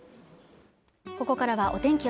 ここからはお天気